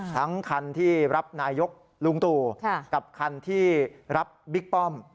ทั้งคันที่รับนายกลุงตู่กับคันที่รับบิ๊กป้อม